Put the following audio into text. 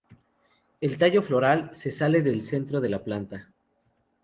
El tallo floral sale del centro de la planta.